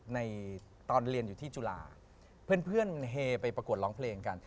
ในตอนเรียนอยู่ที่จุฬาเพื่อนเฮไปประกวดร้องเพลงกัน